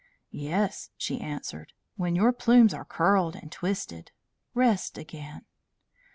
"Yes," she answered, "when your plumes are curled and twisted. Rest again."